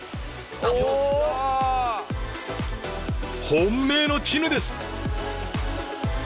本命のチヌです！